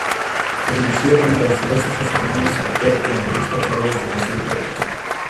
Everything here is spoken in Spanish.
Codirigió, junto al filósofo Fernando Savater, la revista "Claves de Razón Práctica".